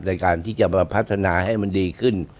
ในการที่จะมาพัฒนาให้มันดีขึ้น